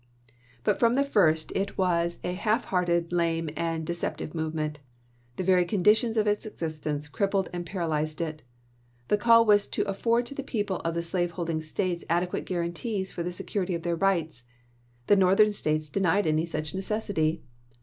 But from the first it was a half hearted, lame, and deceptive movement. The very conditions of its existence crippled and paralyzed it. The call was "to afford to the people of the slave holding States adequate guarantees for the security of their rights." The Northern States denied any such necessity.